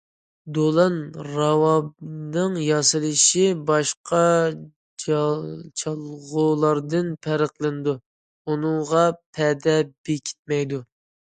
دولان راۋابىنىڭ ياسىلىشى باشقا چالغۇلاردىن پەرقلىنىدۇ، ئۇنىڭغا پەدە بېكىتمەيدۇ.